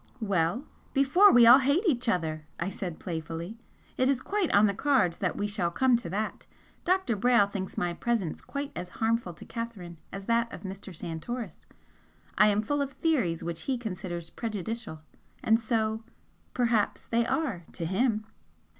"Well, before we all hate each other!" I said, playfully "It is quite on the cards that we shall come to that! Dr. Brayle thinks my presence quite as harmful to Catherine as that of Mr. Santoris; I am full of 'theories' which he considers prejudicial, and so, perhaps, they ARE to HIM!"